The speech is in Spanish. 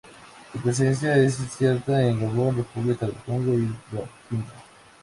Su presencia es incierta en Gabón, República del Congo y Cabinda.